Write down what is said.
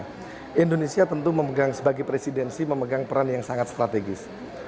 karena indonesia tentu memegang sebagai presidensi memegang peran yang sangat strategis